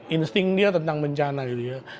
insting dia tentang bencana gitu ya